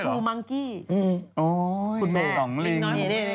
คุณแม่คุณแม่นี่อะไรอย่างนี้สองลิง